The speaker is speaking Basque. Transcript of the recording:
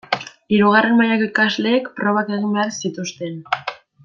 Hirugarren mailako ikasleek probak egin behar zituzten.